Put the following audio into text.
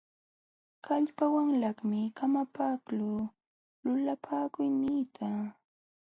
Kallpawanlaqmi kamakaqluu lulapakuyniita.